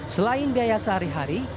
selain biaya sehari hari